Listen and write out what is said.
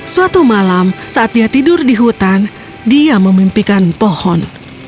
suatu malam saat dia tidur di hutan dia memimpikan pohon